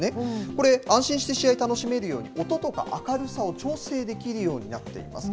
これ、安心して試合楽しめるように、音とか明るさを調整できるようになっています。